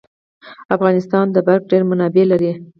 افغانستان د بریښنا ډیر منابع لري.